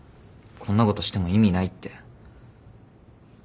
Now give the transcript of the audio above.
こんなことしても意味ないって。